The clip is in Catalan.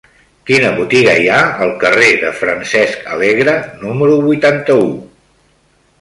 Quina botiga hi ha al carrer de Francesc Alegre número vuitanta-u?